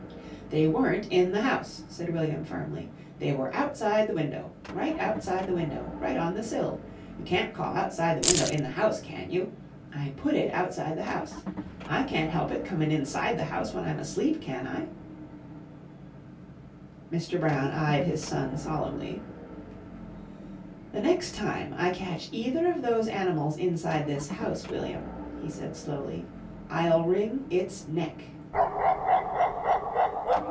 "They weren't in the house," said William firmly. "They were outside the window. Right outside the window. Right on the sill. You can't call outside the window in the house, can you? I put it outside the house. I can't help it comin' inside the house when I'm asleep, can I?" Mr. Brown eyed his son solemnly. "The next time I catch either of those animals inside this house, William," he said slowly, "I'll wring its neck."